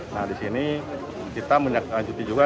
nah disini kita menjanjuti juga